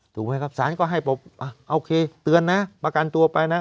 ถูกไหมครับสารก็ให้โอเคเตือนนะประกันตัวไปนะ